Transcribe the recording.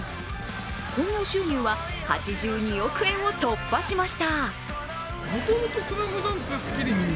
興行収入は８２億円を突破しました。